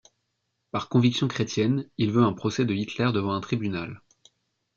Par conviction chrétienne, il veut un procès de Hitler devant un tribunal.